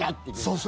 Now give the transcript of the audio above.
そう。